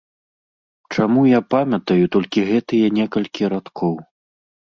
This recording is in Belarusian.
Чаму я памятаю толькі гэтыя некалькі радкоў?